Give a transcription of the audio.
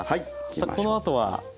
さあこのあとは。